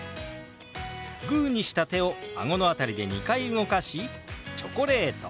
グーにした手をあごの辺りで２回動かし「チョコレート」。